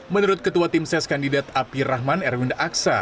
menurut ketua timses kandidat apir rahman erwinda aksa